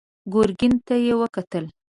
ګرګين ته يې وکتل.